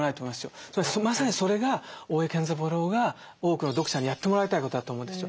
まさにそれが大江健三郎が多くの読者にやってもらいたいことだと思うんですよ。